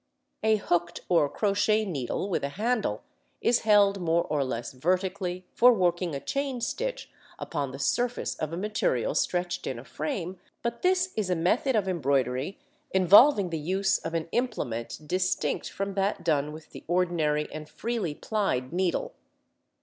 ] A hooked or crochet needle with a handle is held more or less vertically for working a chain stitch upon the surface of a material stretched in a frame, but this is a method of embroidery involving the use of an implement distinct from that done with the ordinary and freely plied needle.